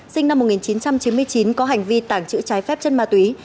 sinh năm một nghìn chín trăm chín mươi chín có hành vi tàng trữ trái phép chất ma túy